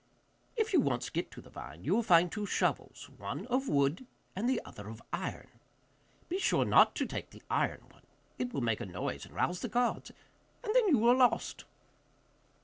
If you once get to the vine, you will find two shovels, one of wood and the other of iron. Be sure not to take the iron one; it will make a noise and rouse the guards, and then you are lost.